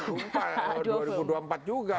dua ribu dua puluh empat juga gitu